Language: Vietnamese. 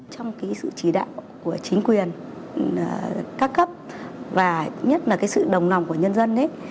trong sự chỉ đạo của chính quyền ca cấp và nhất là sự đồng lòng của nhân dân